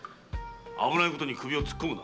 危ないことに首を突っ込むな。